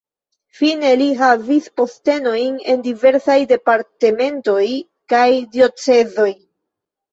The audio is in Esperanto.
Fine li havis postenojn en diversaj departementoj kaj diocezoj.